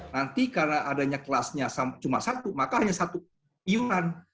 nanti karena adanya kelasnya cuma satu maka hanya satu iuran